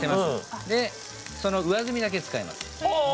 でその上澄みだけ使います。